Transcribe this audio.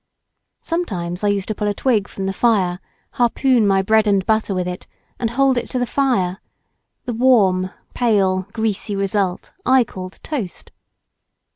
Sometimes I used to pull a twig from the fire, harpoon my bread and butter with it, and hold it to the fire: the warm, pale, greasy result I called toast.